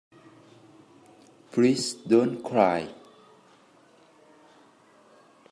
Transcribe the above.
Please don't cry.